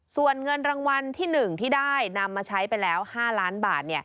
ส่วนเงินรางวัลที่๑ที่ได้นำมาใช้ไปแล้ว๕ล้านบาท